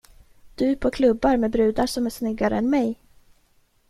Du på klubbar med brudar som är snyggare än mig?